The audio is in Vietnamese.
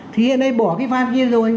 thì hiện nay bỏ cái van kia rồi